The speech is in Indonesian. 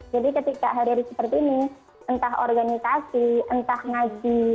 ketika hari hari seperti ini entah organisasi entah ngaji